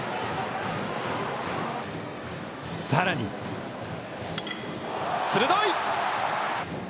さらに鋭い！